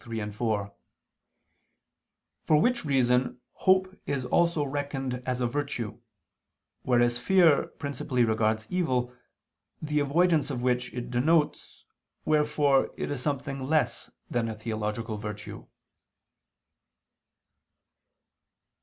3, 4); for which reason hope is also reckoned as a virtue; whereas fear principally regards evil, the avoidance of which it denotes, wherefore it is something less than a theological virtue.